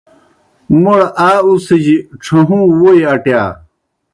موْڑ آ اُڅِھجیْ ڇھہُوں ووئی اٹِیا۔